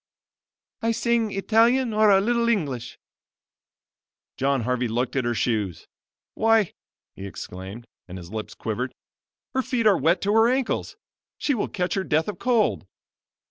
"I sing Italian or a little English." John Harvey looked at her shoes. "Why," he exclaimed, and his lips quivered, "her feet are wet to her ankles; she will catch her death of cold."